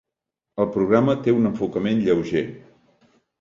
El programa té un enfocament lleuger.